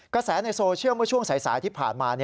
กระแสในโซเชียลเมื่อช่วงสายที่ผ่านมา